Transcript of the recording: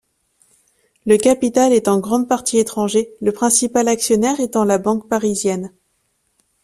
Le capital est en grande partie étranger, le principal actionnaire étant la Banque Parisienne.